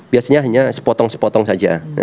biasanya hanya sepotong sepotong saja